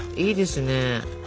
いいですね。